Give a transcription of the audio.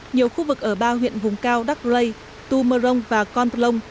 nhiều khu vực ở ba huyện hùng cao đắk rây tu mơ rông và con